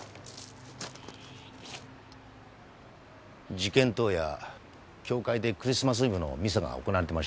事件当夜教会でクリスマスイブのミサが行われてました。